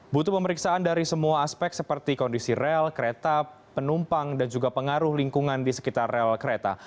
butuh pemeriksaan dari semua aspek seperti kondisi rel kereta penumpang dan juga pengaruh lingkungan di sekitar rel kereta